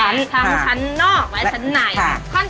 ทั้งชั้นนอกและชั้นใน